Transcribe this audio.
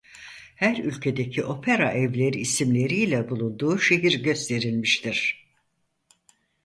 Her ülkedeki opera evleri isimleriyle bulunduğu şehir gösterilmiştir.